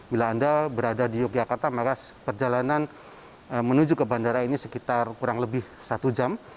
bila anda berada di yogyakarta maka perjalanan menuju ke bandara ini sekitar kurang lebih satu jam